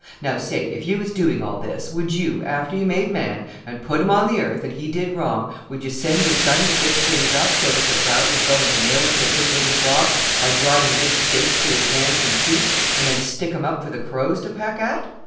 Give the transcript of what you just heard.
Now, say! If you was doing all this, would you, after you made man, and put him on the earth and he did wrong, would you send your son to fix things up so that the crowd would go and nail him to a big wooden cross by driving big stakes through his hands and feet and then stick him up for the crows to peck at?